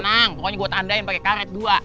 tenang pokoknya gue tandain pake karet gua